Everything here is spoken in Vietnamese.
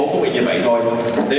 mua việt nam và cạnh tranh ngược lại